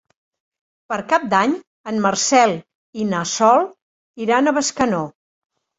Per Cap d'Any en Marcel i na Sol iran a Bescanó.